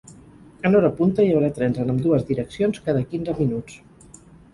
En hora punta, hi haurà trens en ambdues direccions cada quinze minuts.